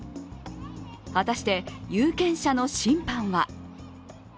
果たして有権者の審判は。